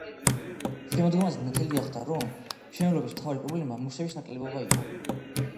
შემოდგომაზე ნათელი გახდა, რომ მშენებლობის მთავარი პრობლემა მუშების ნაკლებობა იყო.